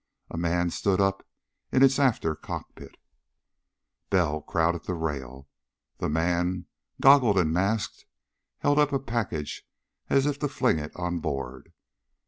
A man stood up in its after cockpit. Bell crowded to the rail. The man goggled and masked held up a package as if to fling it on board.